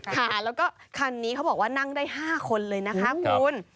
ค่ะแล้วก็คันนี้เขาบอกว่านั่งได้๕คนเลยนะคะคุณ